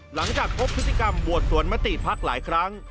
หลังจากพบพฤติกรรมบวชสวนมติภักดิ์หลายครั้ง